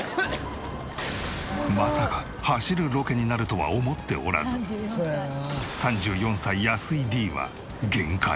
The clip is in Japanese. まさか走るロケになるとは思っておらず３４歳安井Ｄは限界。